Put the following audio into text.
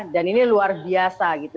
dan ini luar biasa gitu